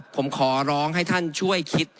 ผมขอร้องให้ท่านช่วยคิด